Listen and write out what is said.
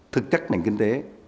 thực chất nền kinh tế